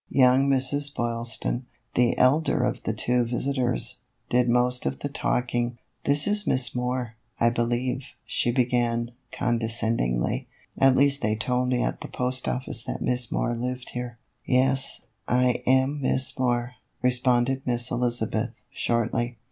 Young Mrs. Boylston, the elder of the two visit ors, did most of the talking. " This is Miss Moore, I believe," she began, condescendingly ;" at least they told me at the post office that Miss Moore lived here." "Yes, I am Miss Moore," responded Miss Eliza beth, shortly.